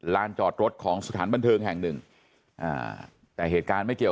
จอดรถของสถานบันเทิงแห่งหนึ่งอ่าแต่เหตุการณ์ไม่เกี่ยว